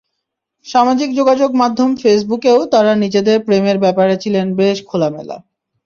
সামাজিক যোগাযোগ মাধ্যম ফেসবুকেও তাঁরা নিজেদের প্রেমের ব্যাপারে ছিলেন বেশ খোলামেলা।